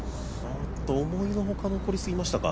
思いの外残りすぎましたか。